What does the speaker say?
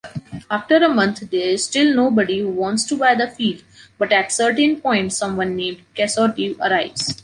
After a month there is still nobody who wants to buy the field, but at certain point someone named Caisotti arrives.